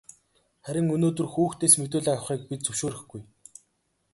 Харин өнөөдөр хүүхдээс мэдүүлэг авахыг бид зөвшөөрөхгүй.